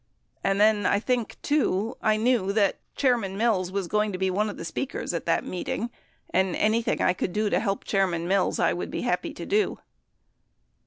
And then I think, too, I knew that Chairman Mills was going to be one of the speakers at that meeting, and anything I could do to help Chairman Mills I would be happy to do."